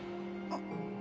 あっ。